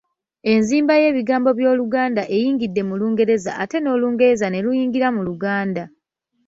Enzimba y’ebigambo by’Oluganda eyingidde mu Lungereza ate n’Olungereza ne luyingira mu Luganda.